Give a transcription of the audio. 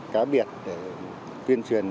khác biệt để tuyên truyền